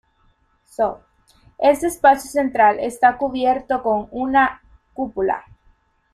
Este espacio central está cubierto con una cúpula.